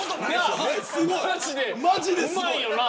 まじでうまいよな。